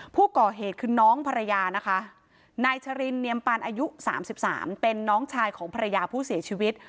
ผู้ก่อเหตุคือน้องภรรยานะคะนายชรินเนียมปานอายุ๓๓เป็นน้องชายของภรรยาผู้เสียชีวิต